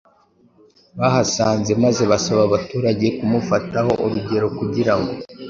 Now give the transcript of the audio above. bahasanze maze basaba abaturage kumufataho urugero kugira ngo